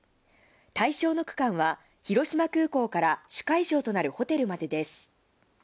対象の区間は広島空港から主会場となるホテルまでです。